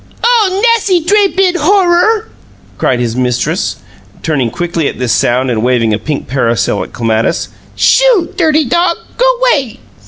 "Oh, nassy dray bid Horror!" cried his mistress, turning quickly at this sound and waving a pink parasol at Clematis. "Shoo! DIRTY dog! Go 'way!"